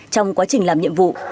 trong quá trình làm nhiệm vụ